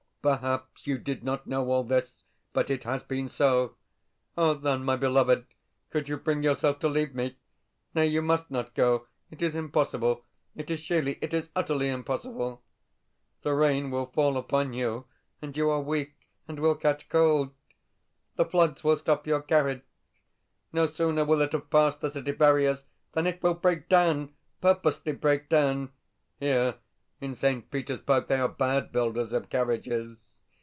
Perhaps you did not know all this, but it has been so. How, then, my beloved, could you bring yourself to leave me? Nay, you MUST not go it is impossible, it is sheerly, it is utterly, impossible. The rain will fall upon you, and you are weak, and will catch cold. The floods will stop your carriage. No sooner will it have passed the city barriers than it will break down, purposely break down. Here, in St. Petersburg, they are bad builders of carriages.